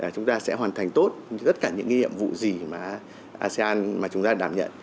chúng ta sẽ hoàn thành tốt tất cả những nhiệm vụ gì mà asean mà chúng ta đảm nhận